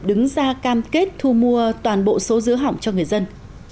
đứng ra cam kết thu mua toàn bộ số dứa hỏng cho người dân